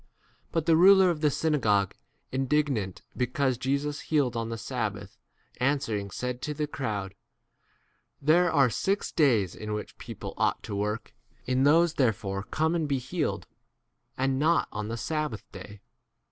But the ruler of the synagogue, indignant because Jesus healed on the sabbath, an swering said to the crowd, There are six days in which [people] ought to work ; in these therefore come and be healed, and not on the sab 15 bath day.